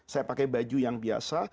saya pakai baju yang biasa